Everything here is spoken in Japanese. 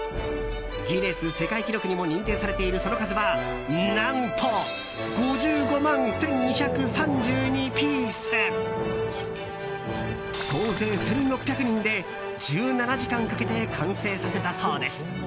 ギネス世界記録にも認定されているその数は何と、５５万１２３２ピース！総勢１６００人で１７時間かけて完成させたそうです。